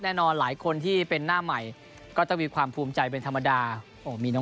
แน่นอนหลายคนที่เป็นหน้าใหม่ก็จะมีความภูมิใจเป็นธรรมดาโอ้มีน้องน้องหนูหนูครับรอขอไลเซ็นต์นะครับ